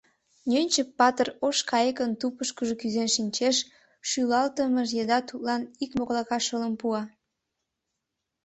Нӧнчык-патыр ош кайыкын тупышкыжо кӱзен шинчеш, шӱлалтымыж еда тудлан ик моклака шылым пуа.